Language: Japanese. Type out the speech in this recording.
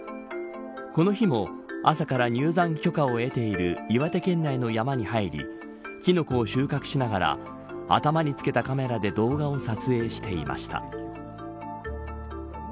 この日も、朝から入山許可を得ている岩手県内の山に入りキノコを収穫しながら頭に着けたカメラで動画を撮影していました。